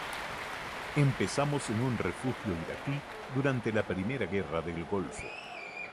Empezamos en un refugio iraquí durante la primera Guerra del Golfo.